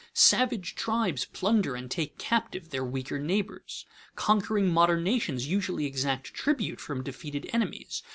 Savage tribes plunder and take captive their weaker neighbors. Conquering modern nations usually exact tribute from defeated enemies.